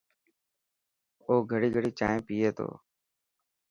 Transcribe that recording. او گڙي گڙي چائين پئي تو.